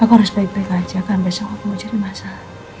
aku harus baik baik aja kan besok aku mau jadi masa